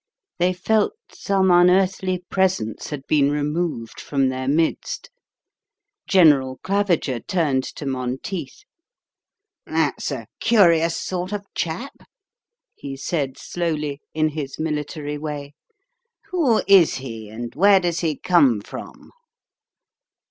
They felt some unearthly presence had been removed from their midst. General Claviger turned to Monteith. "That's a curious sort of chap," he said slowly, in his military way. "Who is he, and where does he come from?"